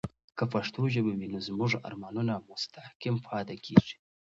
که پښتو ژبه وي، نو زموږ ارمانونه مستحکم پاتې کیږي.